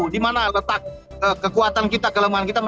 dimana letak kekuatan kita kelemahan kita